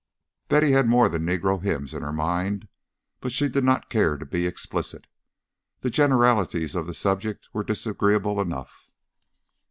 Betty had more than negro hymns in her mind, but she did not care to be explicit. The generalities of the subject were disagreeable enough.